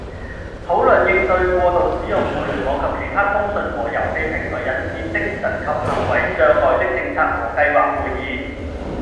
「討論應對過度使用互聯網及其他通訊和遊戲平台引致精神及行為障礙的政策和計劃」會議